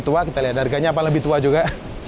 tua kita lihat harganya apa lebih tua juga